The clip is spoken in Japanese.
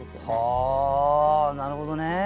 はあなるほどね。